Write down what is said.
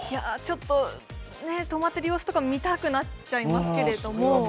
泊まっている様子とか見たくなっちゃいますけれども。